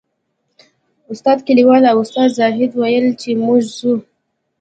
استاد کلیوال او استاد زاهد ویل چې موږ ځو.